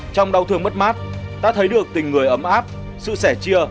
trong đau thương mất mát ta thấy được tình người ấm áp sự sẻ chia